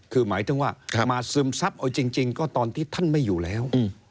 คือหมายถึงว่ามาซึมซับเอาจริงก็ตอนที่ท่านไม่อยู่แล้ว